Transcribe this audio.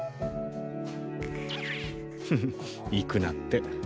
フフ行くなって。